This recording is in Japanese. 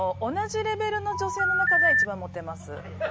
同じレベルの女性の中では一番モテます。